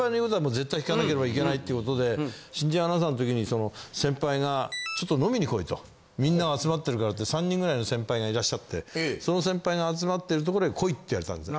きかなければいけないってことで新人アナウンサーのときにその先輩がちょっと飲みに来いとみんなが集まってるからって３人ぐらいの先輩がいらっしゃってその先輩が集まってる所に来いって言われたんです。